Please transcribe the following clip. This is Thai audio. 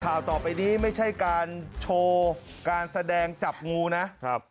ข่าวต่อไปนี้ไม่ใช่การโชว์การแสดงจับงูนะครับ